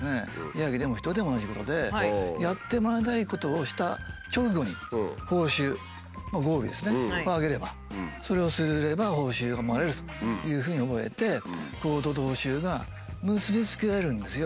ヤギでも人でも同じことでやってもらいたいことをした直後に報酬まあご褒美ですねをあげれば「それをすれば報酬がもらえる」というふうに思えて行動と報酬が結び付けられるんですよ。